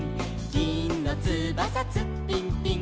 「ぎんのつばさツッピンピン」